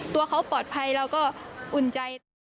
ตัวเขาปลอดภัยเราก็อุ่นใจ